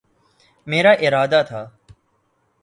میرا ارادہ تھا